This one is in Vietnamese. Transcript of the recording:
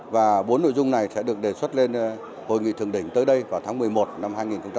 và bốn nội dung này sẽ được đề xuất lên hội nghị thường đỉnh tới đây vào tháng một mươi một năm hai nghìn hai mươi